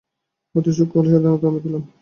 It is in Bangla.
অতি সূক্ষ্ম হলেও স্বাধীনতার আনন্দ পেলাম।